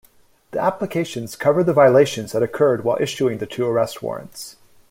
The applications cover the violations that occurred while issuing the two arrest warrants.